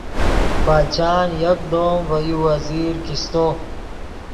باچآن یکدم ڤے یو وزیر کیستو